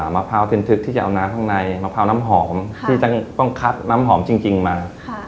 มะพร้าวทึนทึกที่จะเอาน้ำข้างในมะพร้าวน้ำหอมที่ต้องคัดน้ำหอมจริงมา